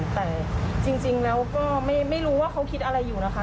แต่จริงแล้วก็ไม่รู้ว่าเขาคิดอะไรอยู่นะคะ